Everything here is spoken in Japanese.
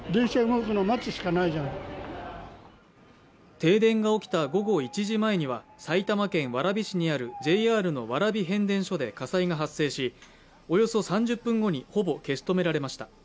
停電が起きた午後１時前には、埼玉県蕨市にあるＪＲの蕨変電所で火災が発生しおよそ３０分後に、ほぼ消し止められました。